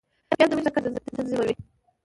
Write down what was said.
پیاز د وینې شکر تنظیموي